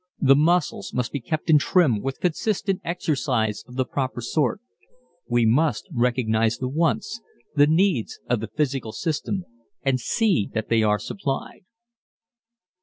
The muscles must be kept in trim with consistent exercise of the proper sort. We must recognize the wants, the needs of the physical system and see that they are supplied.